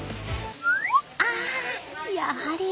あやはり。